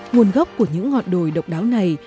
nguồn gốc của những ngọn đồi độc đáo này